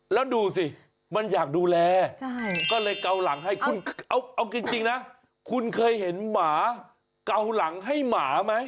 แล้วดูสิมันอยากดูแลก็เลยเกาหลังให้คุณเอาจริงนะคุณเคยเห็นหมาเกาหลังให้หมาไหม